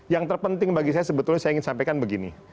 yang terpenting bagi saya sebetulnya saya ingin sampaikan begini